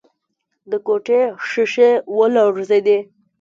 د کوټې ښيښې ولړزېدې.